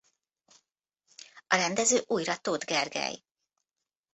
A rendező újra Tóth Gergely.